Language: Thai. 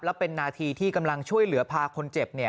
และเป็นนาทีที่กำลังช่วยเหลือพาคนเจ็บ